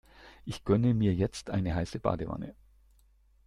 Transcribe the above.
Ich gönne mir jetzt eine heiße Badewanne.